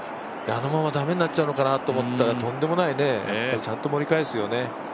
あのまま駄目になっちゃうのかと思ったら、とんでもないね、やっぱりちゃんと盛り返すよね。